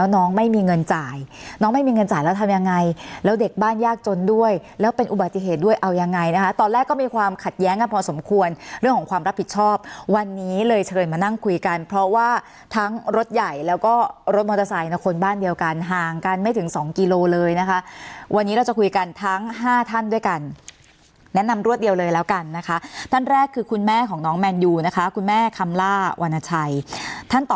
ไงนะคะตอนแรกก็มีความขัดแย้งกันพอสมควรเรื่องของความรับผิดชอบวันนี้เลยเชิญมานั่งคุยกันเพราะว่าทั้งรถใหญ่แล้วก็รถมอเตอร์ไซค์และคนบ้านเดียวกันห่างกันไม่ถึง๒กิโลเลยนะคะวันนี้เราจะคุยกันทั้ง๕ท่านด้วยกันแนะนำรวดเดียวเลยแล้วกันนะคะท่านแรกคือคุณแม่ของน้องแมนยูนะคะคุณแม่คำล่าวัณชัยท่านต